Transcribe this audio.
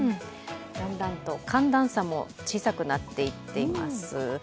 だんだんと寒暖差も小さくなっていっています。